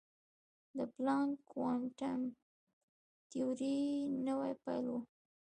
د پلانک کوانټم تیوري نوې پیل وه.